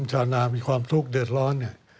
ชาวนามีความทุกข์เดือดร้อนเนี่ย